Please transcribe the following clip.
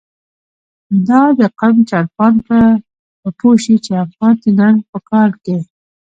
دادقم چړیان به پوه شی، چی افغان د ننګ په کار کی